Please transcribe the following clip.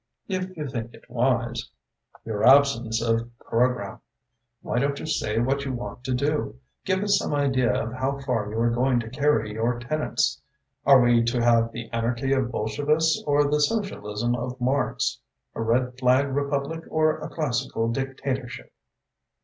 "If you think it wise." "Your absence of programme. Why don't you say what you want to do give us some idea of how far you are going to carry your tenets? Are we to have the anarchy of Bolshevists or the socialism of Marx, a red flag republic or a classical dictatorship?"